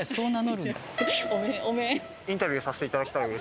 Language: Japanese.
インタビューさせていただきたい。